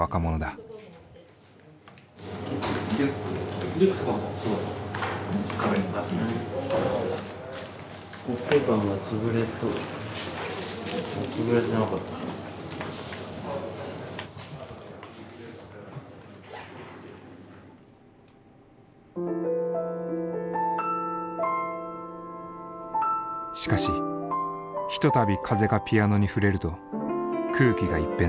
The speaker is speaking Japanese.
しかしひとたび風がピアノに触れると空気が一変する。